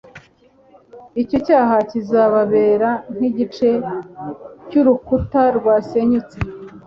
icyo cyaha kizababera nk igice cy urukuta rwasenyutse